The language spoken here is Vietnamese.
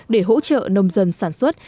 để hỗ trợ nông dân sản xuất